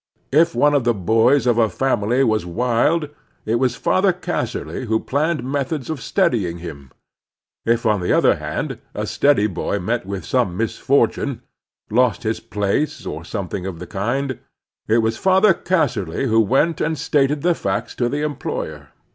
If one of the boys of a family was wild, it was Father Casserly who planned methods of steady ing him. If, on the other hand, a steady boy met with some misfortune, — ^lost his place, or some thing of the kind, — it was Father Casserly who went and stated the facts to the employer.